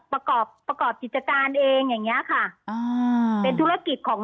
ประกอบประกอบจิตการเองอย่างนี้ค่ะ